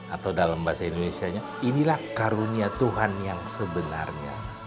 atau dalam bahasa indonesia nya inilah karunia tuhan yang sebenarnya